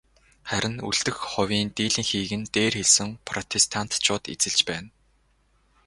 Харин үлдэх хувийн дийлэнхийг нь дээр хэлсэн протестантчууд эзэлж байна.